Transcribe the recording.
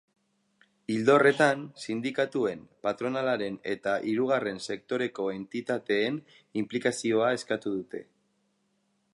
Ildo horretan, sindikatuen, patronalaren eta hirugarren sektoreko entitateen inplikazioa eskatu dute.